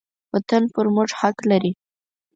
وطن پر موږ حق لري.